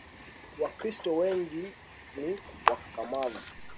Wakristo wengi ni wakakamavu